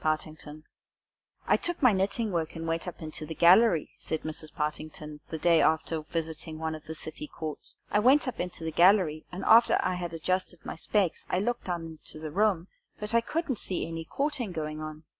PARTINGTON IN COURT "I took my knitting work and went up into the gallery," said Mrs. Partington, the day after visiting one of the city courts; "I went up into the gallery, and after I had adjusted my specs, I looked down into the room, but I couldn't see any courting going on.